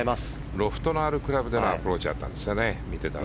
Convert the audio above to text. ロフトのあるクラブでのアプローチだったんですね。